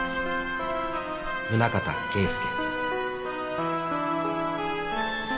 「宗形圭介」